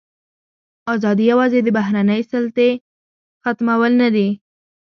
ازادي یوازې د بهرنۍ سلطې ختمول نه دي.